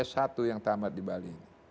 dua puluh lima s satu yang tamat di bali